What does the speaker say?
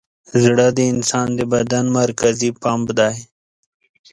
زړه د انسان د بدن مرکزي پمپ دی.